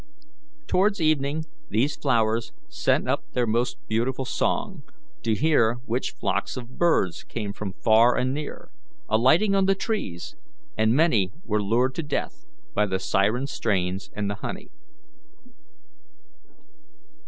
Towards evening these flowers sent up their most beautiful song, to hear which flocks of birds came from far and near, alighting on the trees, and many were lured to death by the siren strains and the honey.